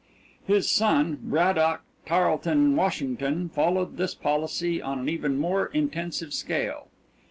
His son, Braddock Tarleton Washington, followed this policy on an even more tensive scale.